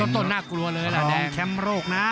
ต้นน่ากลัวเลยนะแดง